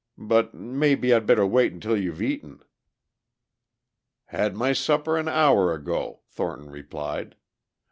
But maybe I'd better wait until you've eaten?" "Had my supper an hour ago," Thornton replied.